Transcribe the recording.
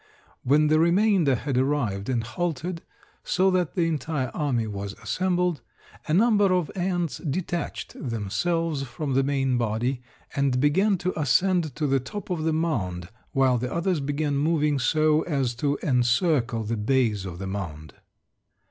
When the remainder had arrived and halted so that the entire army was assembled, a number of ants detached themselves from the main body and began to ascend to the top of the mound, while the others began moving so as to encircle the base of the mound.